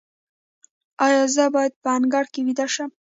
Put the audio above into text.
ایا زه باید په انګړ کې ویده شم؟